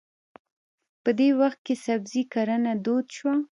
په دې وخت کې سبزي کرنه دود شوه.